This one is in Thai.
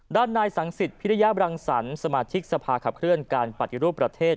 ด้านนายสังสิทธิพิริยบรังสรรค์สมาชิกสภาขับเคลื่อนการปฏิรูปประเทศ